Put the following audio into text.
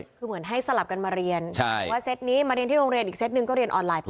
คือเหมือนให้สลับกันมาเรียนว่าเซตนี้มาเรียนที่โรงเรียนอีกเซ็ตหนึ่งก็เรียนออนไลน์